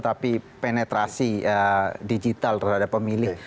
tapi penetrasi digital terhadap pemilih